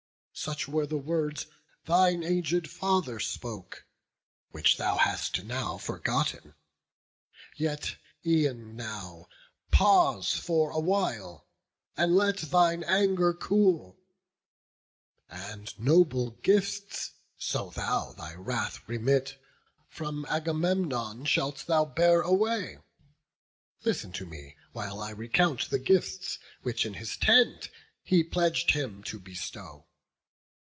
Such were the words thine aged father spoke, Which thou hast now forgotten; yet, e'en now, Pause for awhile, and let thine anger cool; And noble gifts, so thou thy wrath remit, From Agamemnon shalt thou bear away. Listen to me, while I recount the gifts Which in his tent he pledg'd him to bestow.